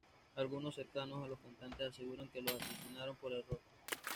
Algunos cercanos a los cantantes aseguran que los asesinaron por error.